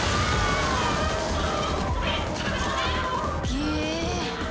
げえ。